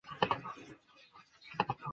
工人来自中爪哇和东爪哇的村庄。